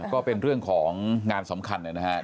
ก็เป็นเรื่องของงานสำคัญนะครับ